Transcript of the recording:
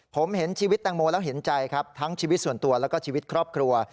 ผมเห็นชีวิตแตงโมแล้วเห็นใจครับทั้งชีวิตส่วนตัวแล้วก็ชีวิตครอบครัว